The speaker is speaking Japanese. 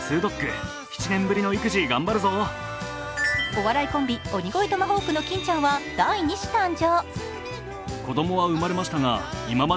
お笑いコンビ、鬼越トマホークの金ちゃんは第２子誕生。